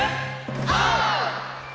オー！